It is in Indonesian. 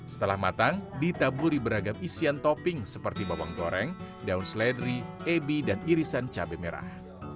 setelah matang ditaburi beragam isian topping seperti bawang goreng daun seledri ebi dan irisan cabai merah